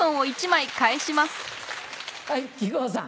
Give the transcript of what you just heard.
はい木久扇さん。